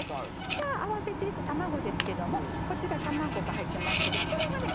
じゃあ合わせていく卵ですけどもこちら卵が入ってますけどこれがね